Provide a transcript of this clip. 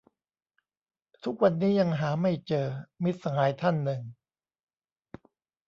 "ทุกวันนี้ยังหาไม่เจอ" มิตรสหายท่านหนึ่ง